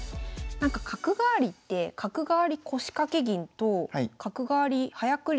なんか角換わりって角換わり腰掛け銀と角換わり早繰り